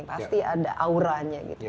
pasti ada aura nya gitu